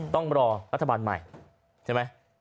ต้องรอรัฐบาลใหม่ใช่ไหม